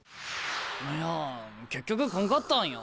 いや結局来んかったんや。